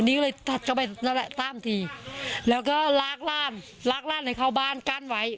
นี่ก็เลยถัดเข้าไปนั่นแหละตามทีแล้วก็ลากร่ามลากร่านให้เข้าบ้านกั้นไว้